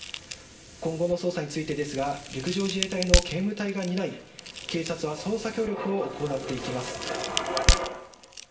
今後の捜査についてですが陸上自衛隊の警務隊が担い警察は捜査協力を行っていきます。